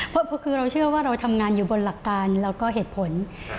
เพราะเราเชื่อว่าเราทำงานอยู่บนหลักการแล้วก็เหตุผล